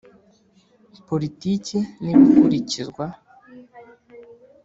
Politiki n ibikurikizwa